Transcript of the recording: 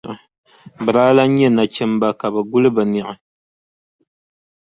Bɛ daa lahi nya nachimba ka bɛ guli bɛ niɣi.